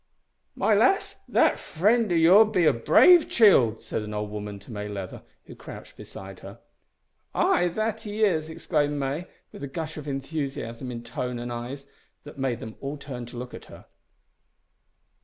"My lass, that friend o' your'n be a braave cheeld," said an old woman to May Leather, who crouched beside her. "Ay, that he is!" exclaimed May, with a gush of enthusiasm in tone and eyes that made them all turn to look at her.